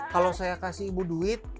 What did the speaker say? kalau saya kasih ibu duit